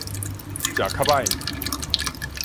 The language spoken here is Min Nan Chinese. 食較䆀